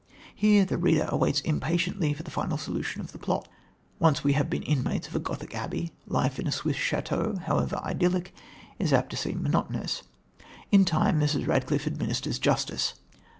Here the reader awaits impatiently the final solution of the plot. Once we have been inmates of a Gothic abbey, life in a Swiss chateau, however idyllic, is apt to seem monotonous. In time Mrs. Radcliffe administers justice.